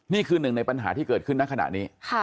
นี่คือหนึ่งในปัญหาที่เกิดขึ้นในขณะนี้